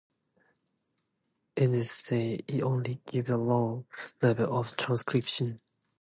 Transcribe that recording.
In this state, it only gives a low level of transcription.